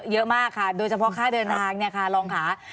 เยอะมากค่ะโดยเฉพาะค่าเดินทางเนี่ยค่ะรองค่ะ